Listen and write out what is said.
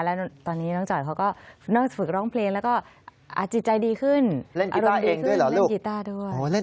และตอนนี้น้องจอยเขาก็นอกจิตใจดีขึ้นและอรุณดีขึ้น